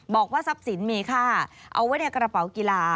บอกว่าทรัพย์สินมีค่าเอาไว้ในกระเป๋ากีฬา